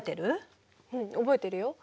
うん覚えてるよ。